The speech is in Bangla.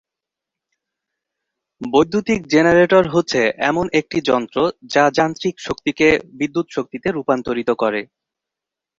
বৈদ্যুতিক জেনারেটর হচ্ছে এমন একটি যন্ত্র যা যান্ত্রিক শক্তিকে বিদ্যুৎ শক্তিতে রূপান্তরিত করে।